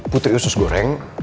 putri usus goreng